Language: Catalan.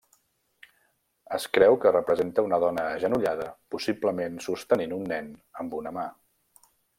Es creu que representa una dona agenollada possiblement sostenint un nen amb una mà.